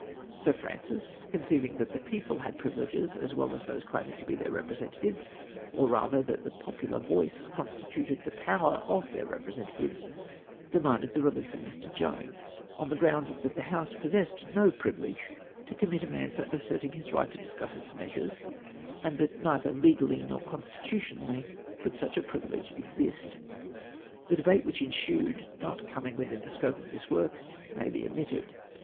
Sir Francis — conceiving that the people had privileges as well as those claiming to be their representatives, or rather tliat the popular voice constituted the power of their representatives — demanded the release of Mr. Jones, on SIR F. BURDETT COMMITTED TO THE TOWER. 139 the ground that the House possessed no privilege to commit a man for asserting; his rig ht to discuss its measures, and that neither legally nor constitutionally could such privilege exist. The debate which ensued, not coming Avithin the scope of this work, may be omitted.